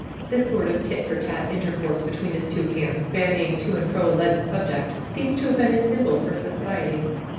This sort of tit for tat intercourse between his two hands, bandying to and fro a leaden subject, seems to have been his symbol for society.